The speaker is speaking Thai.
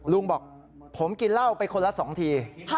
ลุงบอกผมกินเหล้าไปคนละ๒ที